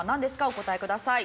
お答えください。